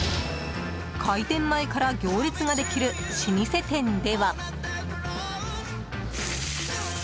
開店前から行列ができる老舗店では。